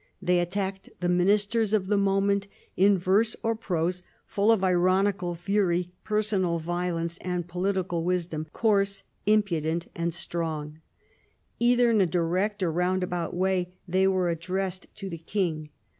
They attacked the Ministers of the moment in verse or prose full of ironical fury, personal violence and political wisdom, coarse, impudent and strong. Either in a direct or roundabout way they were addressed to the King.